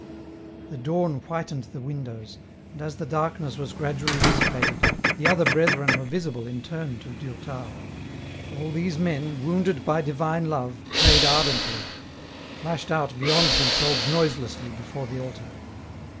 The dawn whitened the windows, and as the darkness was gradually dissipated, the other brethren were visible in turn to Durtal ; all these men, wounded by divine love, prayed ardently, flashed out beyond themselves noiselessly before the altar.